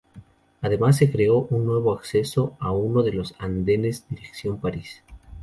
Además se creó un nuevo acceso a uno de los andenes dirección París.